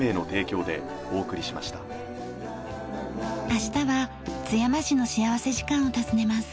明日は津山市の幸福時間を訪ねます。